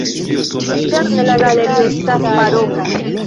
Interne la galerio estas baroka.